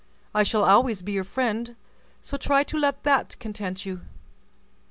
I shall always be your friend; so try to let that content you.